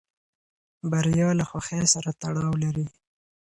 بریا له خوښۍ سره تړاو لري.